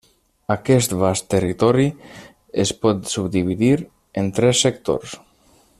Aquest vast territori es pot subdividir en tres sectors.